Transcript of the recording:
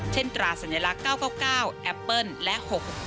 ตราสัญลักษณ์๙๙๙แอปเปิ้ลและ๖๖